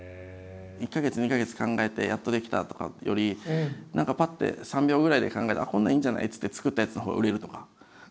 １か月２か月考えてやっと出来たとかより何かパッて３秒ぐらいで考えてこんなのいいんじゃない？って作ったやつのほうが売れるとか。